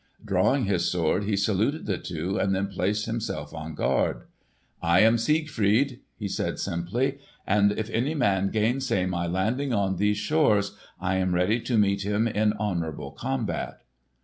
Drawing his sword he saluted the two and then placed himself on guard. "I am Siegfried," he said simply, "and if any man gainsay my landing on these shores, I am ready to meet him in honourable combat!"